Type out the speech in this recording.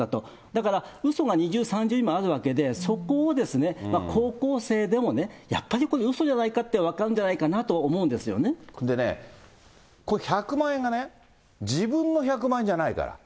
だからうそが二重、三重にもあるわけで、そこを高校生でもね、やっぱりうそじゃないかって分かるんじゃないかなって思うんですでね、これ１００万円がね、自分の１００万円じゃないから。